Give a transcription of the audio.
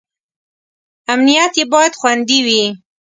امنیت یې باید خوندي وي.